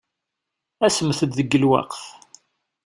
Asemt-d deg lweqt.